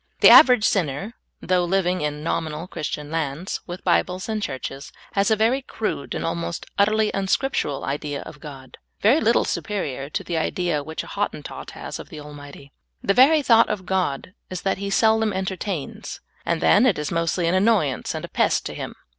The average sinner, though living in nominal Christian lands, with Bibles and Churches, has a very crude and almost utterly unscriptural idea of God, very little superior to the idea which a Hottentot has of the Al mighty. The very thought of God is that He seldom enter tains, and then it is mostly an annoyance and a pest to Him.